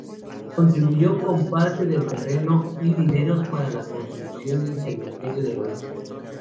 Contribuyó con parte del terreno y dineros para la construcción del Cementerio del Oeste.